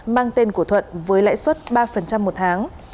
mang tên của thuận với lãi suất ba một tháng